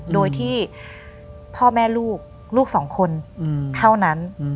โดยที่พ่อแม่ลูกลูกสองคนเท่านั้น